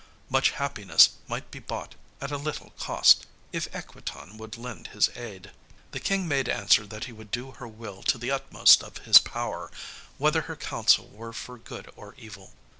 Much happiness might be bought at a little cost, if Equitan would lend his aid. The King made answer that he would do her will to the utmost of his power, whether her counsel were for good or evil.